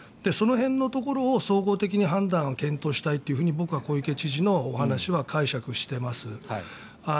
その辺のところを総合的に判断、検討したいと僕は小池知事のお話は解釈しています。